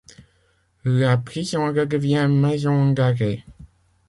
La prison redevient maison d’arrêt.